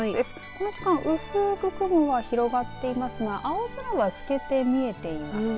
この時間薄く雲は広がっていますが青空は透けて見えていますね。